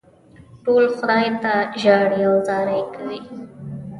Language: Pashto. ټول خدای ته ژاړي او زارۍ کوي.